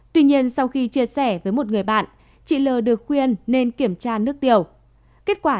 tuy nhiên sau khi chia sẻ với một người bạn chị l được khuyên nên kiểm tra nước tiểu